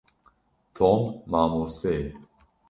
Tom mamoste ye.